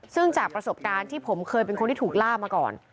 ซึ่งจากประสบการณ์ที่ผมเคยเป็นคนที่ถูกล่ามาก่อน